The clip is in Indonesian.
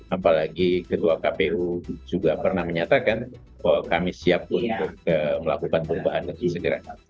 apalagi ketua kpu juga pernah menyatakan bahwa kami siap untuk melakukan perubahan itu segera